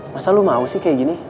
masa lo mau sih kayak gini